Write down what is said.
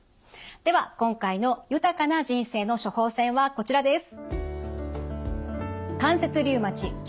では今回の「豊かな人生の処方せん」はこちらです！